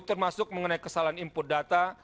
termasuk mengenai kesalahan input data